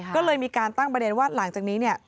ก็เลยมีการตั้งประเด็นว่าหลังจากนี้เนี่ย